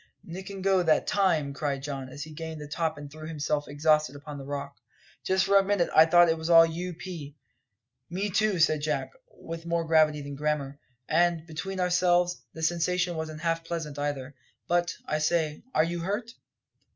"Nick and go that time!" cried Don, as he gained the top and threw himself exhausted upon the rock. "Just for a minute I thought it was all U.P." "Me too," said Jack, with more gravity than grammar; "and, between ourselves, the sensation wasn't half pleasant, either. But, I say, are you hurt?"